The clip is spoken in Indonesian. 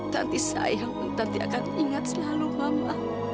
tanti sayang pun nanti akan ingat selalu mama